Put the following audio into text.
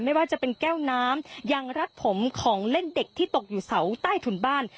ไม่ว่าจะเป็นแก้วน้ำยังรัดผมของเล่นเด็กที่ตกอยู่เสาใต้ถุนบ้าน